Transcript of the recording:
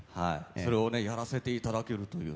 それをやらせていただけるという。